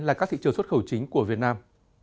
là các thị trường xuất khẩu chính của việt nam